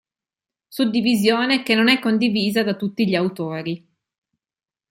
Suddivisione che non è condivisa da tutti gli Autori.